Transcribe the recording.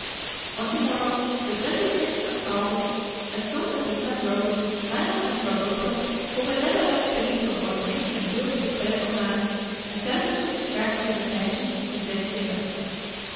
On the morrow, the 26th of August, as soon as the sun rose, Manoel and Fragoso, who had never left Benito for an instant during this terrible night, attempted to distract his attention from his despair.